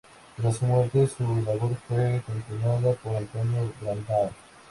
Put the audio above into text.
Tras su muerte, su labor fue continuada por António Brandão.